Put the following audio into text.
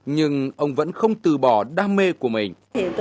nhưng ông vẫn không từ bỏ đam mê của mình